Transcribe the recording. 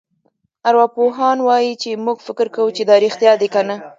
ارواپوهان وايي چې موږ فکر کوو چې دا رېښتیا دي کنه.